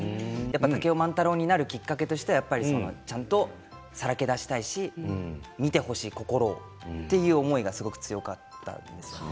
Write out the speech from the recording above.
竹雄万太郎になるきっかけとしてはやっぱりちゃんとさらけ出したいし見てほしい心を。っていう思いがすごく強かったんですよね。